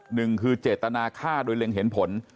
หนึ่งคือเจตนาฆ่าโดยเล็งเห็นผล